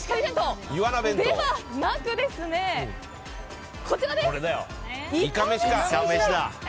ではなく、こちらです！